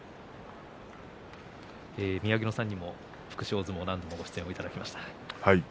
宮城野さんにも福祉大相撲何回も出ていただきました。